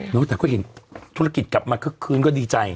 แต่ก็เห็นธุรกิจกลับมาคึกคืนก็ดีใจ